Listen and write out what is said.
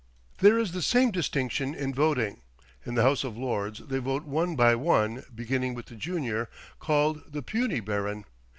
There is the same distinction in voting. In the House of Lords they vote one by one, beginning with the junior, called the puisne baron.